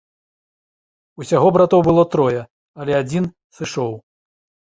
Усяго братоў было трое, але адзін сышоў.